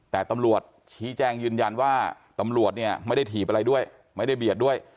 แต่ตำรวจชี้แจงยืนยันว่าตำรวจเนี่ยไม่ได้ถีบอะไรด้วยไม่ได้เบียดด้วย